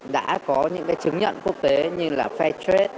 đã có những chứng nhận quốc tế như fairtrade